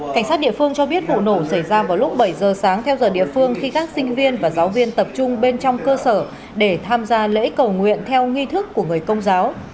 cảnh sát địa phương cho biết vụ nổ xảy ra vào lúc bảy giờ sáng theo giờ địa phương khi các sinh viên và giáo viên tập trung bên trong cơ sở để tham gia lễ cầu nguyện theo nghi thức của người công giáo